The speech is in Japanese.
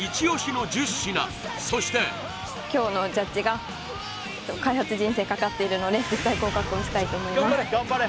そして今日のジャッジが開発人生かかっているので絶対合格をしたいと思います